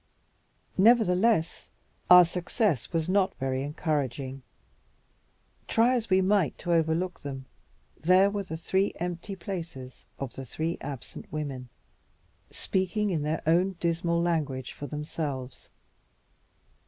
Nevertheless, our success was not very encouraging. Try as we might to overlook them, there were the three empty places of the three absent women, speaking in their own dismal language for themselves.